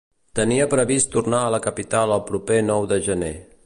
Tenia previst tornar a la capital el proper nou de gener.